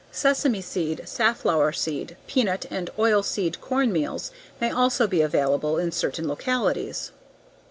Sesame seed, safflower seed, peanut and oil seed corn meals may also be available in certain localities.